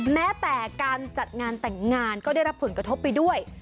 แม้แต่การจัดงานแต่งงานก็ได้รับผลกระทบไปด้วย